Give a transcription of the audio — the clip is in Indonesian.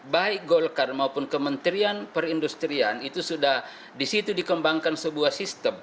baik golkar maupun kementerian perindustrian itu sudah disitu dikembangkan sebuah sistem